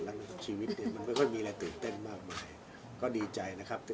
กันถึงมากันนะครับอันนี้กันแล้วค่ะโมเมนต์สาววันนี้เป็นยังไงครับพี่